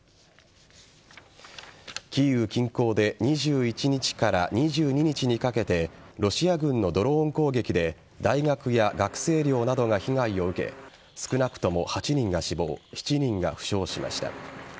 キーウ近郊で２１日から２２日にかけてロシア軍のドローン攻撃で大学や学生寮などが被害を受け少なくとも８人が死亡７人が負傷しました。